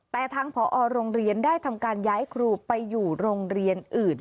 แต่ทางผอโรงเรียนได้ทำการย้ายครูไปอยู่โรงเรียนอื่น